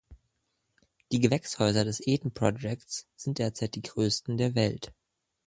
Die Gewächshäuser des Eden Projects sind derzeit die größten der Welt.